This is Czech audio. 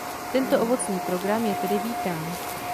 Tento ovocný program je tedy vítán.